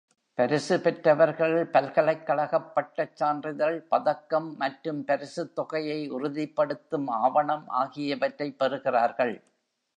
பரிசு பெற்றவர்கள் பல்கலைக்கழகப் பட்டச் சான்றிதழ், பதக்கம் மற்றும் பரிசுத் தொகையை உறுதிப்படுத்தும் ஆவணம் ஆகியவற்றைப் பெறுகிறார்கள்.